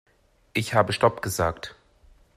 Ich habe stopp gesagt.